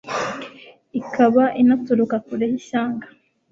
Ikaba inaturuka kure hishyanga